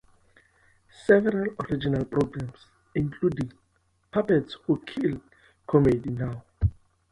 Several original programs including "Puppets Who Kill", "Comedy Now!